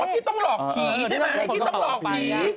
พี่ต้องหลอกผีใช่ไหมพี่ต้องหลอกผี